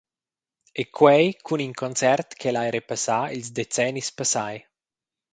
E quei cun in concert che lai repassar ils decennis passai.